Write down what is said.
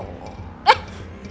kalian gak akan nyesel